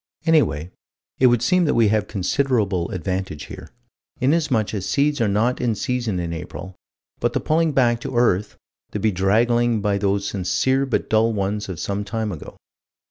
Anyway, it would seem that we have considerable advantage here, inasmuch as seeds are not in season in April but the pulling back to earth, the bedraggling by those sincere but dull ones of some time ago.